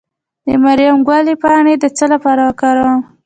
د مریم ګلي پاڼې د څه لپاره وکاروم؟